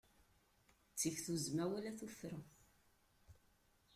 Ttif tuzzma wala tuffra.